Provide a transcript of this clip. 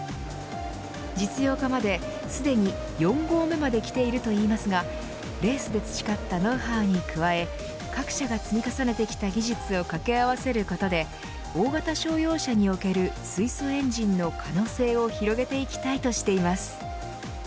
実用化まで、すでに４合目まで来ているといいますがレースで培ったノウハウに加え各社が積み重ねてきた技術を掛け合わせることで大型商用車における水素エンジンの可能性を広げていきたいとしています。